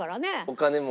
お金も。